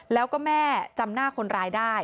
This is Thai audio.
แล้วก็แม่จำหน้าคนร้ายได้